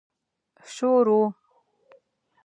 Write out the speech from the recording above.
شور و.